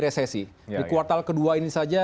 resesi di kuartal ke dua ini saja